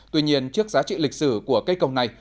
tuy nhiên trước giá trị lịch sử của cây cầu này